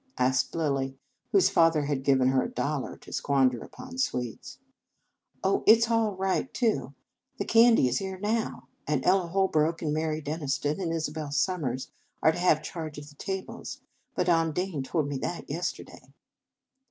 " asked Lilly, whose father had given her a dollar to squander upon sweets. " Oh, it s all right, too. The candy is here now; and Ella Holrook and Mary Denniston and Isabel Summers are to have charge of the tables. Ma dame Dane told me that yesterday."